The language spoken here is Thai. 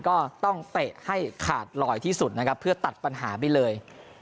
เตะให้ขาดลอยที่สุดนะครับเพื่อตัดปัญหาไปเลย